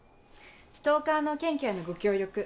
ストーカーの検挙へのご協力